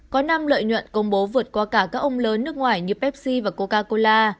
có năm lợi nhuận công bố vượt qua cả các ông lớn nước ngoài như pepsi và coca cola